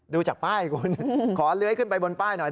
ดูจากป้ายคุณขอเลื้อยขึ้นไปบนป้ายหน่อย